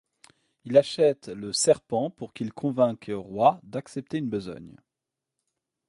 Il achète le Serpent pour qu'il convainque Roy d'accepter une besogne.